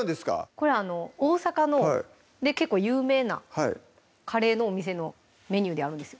これあの大阪の結構有名なカレーのお店のメニューであるんですよ